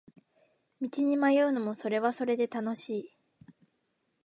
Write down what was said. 道に迷うのもそれはそれで楽しい